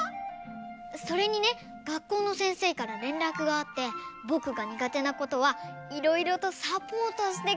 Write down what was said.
それにねがっこうのせんせいかられんらくがあってぼくがにがてなことはいろいろとサポートしてくれるんだって。